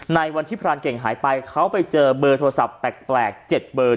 ในวันที่พรานเก่งหายไปเขาไปเจอเบอร์โทรศัพท์แปลก๗เบอร์